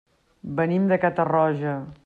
Venim de Catarroja.